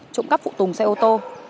trộm cắp phụ tùng xe ô tô